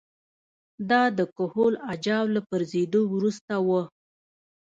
دا د کهول اجاو له پرځېدو وروسته وه